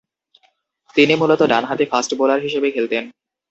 তিনি মূলতঃ ডানহাতি ফাস্ট বোলার হিসেবে খেলতেন।